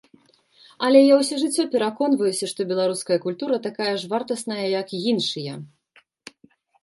Але я ўсё жыццё пераконваюся, што беларуская культура такая ж вартасная, як іншыя.